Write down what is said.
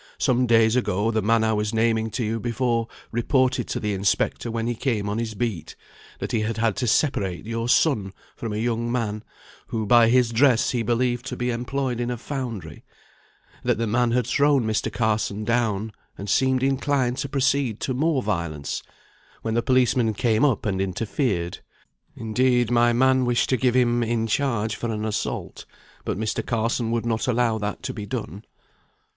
"Some days ago the man I was naming to you before, reported to the inspector when he came on his beat, that he had had to separate your son from a young man, who by his dress he believed to be employed in a foundry; that the man had thrown Mr. Carson down, and seemed inclined to proceed to more violence, when the policeman came up and interfered. Indeed, my man wished to give him in charge for an assault, but Mr. Carson would not allow that to be done."